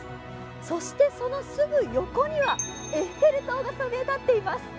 そしてそのすぐ横にはエッフェル塔がそびえ立っています。